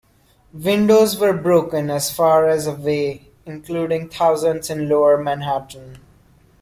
Windows were broken as far as away, including thousands in lower Manhattan.